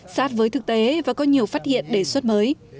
sát với thực tế và có nhiều phát hiện đề xuất mới